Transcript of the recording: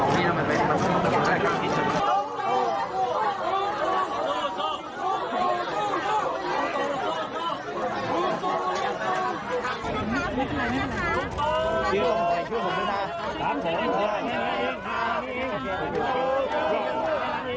ตื่นมูลต่อตื่นตื่นมูลต่อ